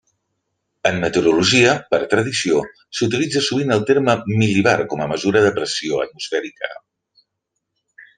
En meteorologia, per tradició, s'utilitza sovint el terme mil·libar com a mesura de pressió atmosfèrica.